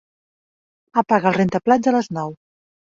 Apaga el rentaplats a les nou.